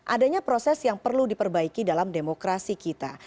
adanya proses yang perlu diperbaiki dalam demokrasi kita